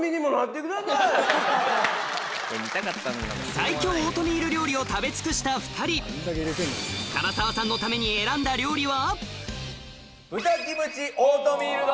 最強オートミール料理を食べ尽くした２人唐沢さんのためにまずは。